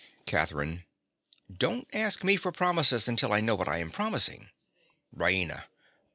CATHERINE. Don't ask me for promises until I know what I am promising. RAINA.